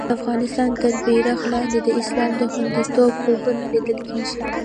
د افغانستان تر بېرغ لاندې د اسلام د خوندیتوب خوبونه لیدل کېږي.